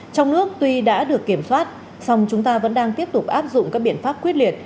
trong nước tuy đã được kiểm soát song chúng ta vẫn đang tiếp tục áp dụng các biện pháp quyết liệt